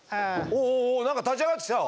おおお何か立ち上がってきた。